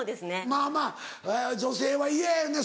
まぁまぁ女性は嫌やよね